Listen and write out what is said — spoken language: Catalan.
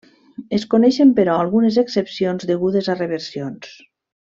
Es coneixen però, algunes excepcions degudes a reversions.